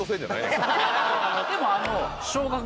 でもあの。